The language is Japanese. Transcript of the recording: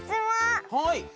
はい。